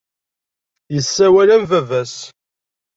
Yessawal am baba-s.